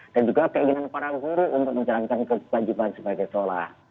dan juga keinginan para guru untuk menjalankan kewajiban sebagai sholah